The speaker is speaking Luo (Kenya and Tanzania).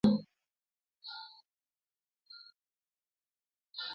Ne unindo nade otieno moruu kawuono?